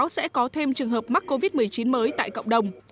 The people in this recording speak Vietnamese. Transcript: sẽ có thêm trường hợp mắc covid một mươi chín mới tại cộng đồng